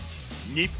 日本！